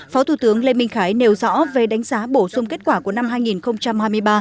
phó thủ tướng lê minh khái nêu rõ về đánh giá bổ sung kết quả của năm hai nghìn hai mươi ba